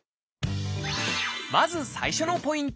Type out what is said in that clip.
まず最初のポイント。